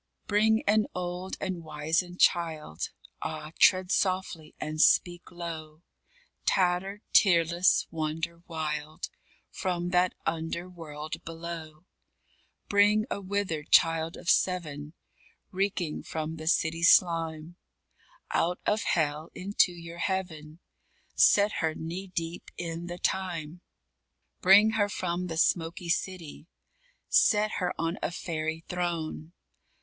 _ Bring an old and wizened child Ah, tread softly and speak low Tattered, tearless, wonder wild. From that under world below; Bring a withered child of seven Reeking from the City slime, Out of hell into your heaven, Set her knee deep in the thyme. _Bring her from the smoky City, Set her on a fairy throne.